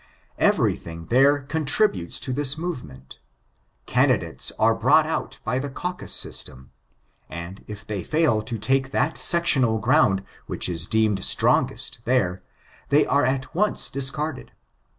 Everything there contributes to this movement ; candidates are brought out by the caucus system, and if they fail to take that sectional ground which is deemed strongest there, they are at once discarded.